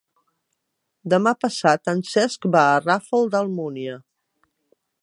Demà passat en Cesc va al Ràfol d'Almúnia.